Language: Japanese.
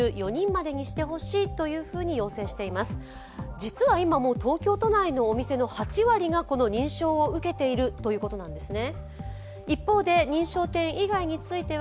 実は今、東京都内のお店の８割がこの認証を受けているということなんですね。